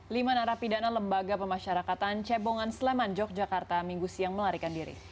lima narapidana lembaga pemasyarakatan cebongan sleman yogyakarta minggu siang melarikan diri